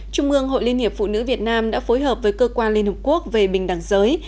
trung ương hội liên hiệp phụ nữ việt nam đã phối hợp với cơ quan liên hợp quốc về bình đẳng giới